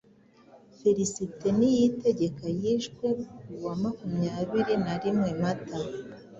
Félicité Niyitegeka: Yishwe ku wa makumyaniri narimwe Mata